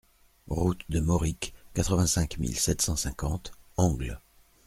Route de Moricq, quatre-vingt-cinq mille sept cent cinquante Angles